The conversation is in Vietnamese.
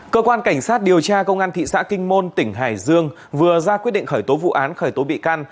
cơ quan cảnh sát điều tra công an thị xã kinh môn tỉnh hải dương vừa ra quyết định khởi tố vụ án khởi tố bị can